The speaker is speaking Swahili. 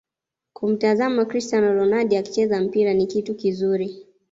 Kumtazama Crstiano Ronaldo akicheza mpira ni kitu kizuri